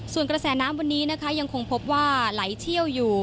ส่วนกระแสน้ำวันนี้นะคะยังคงพบว่าไหลเชี่ยวอยู่